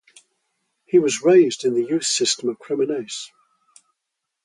He was raised in the youth system of Cremonese.